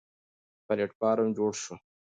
پلېټفارم جوړ شو.